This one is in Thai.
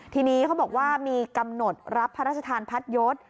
ทีนี้เขาบอกว่ามีกำหนดรับพระราชทานพัดยศ